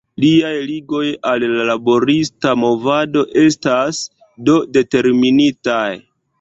Liaj ligoj al la laborista movado estas, do, determinitaj.